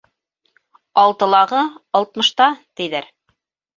Алтылағы - алтмышта, тиҙәр.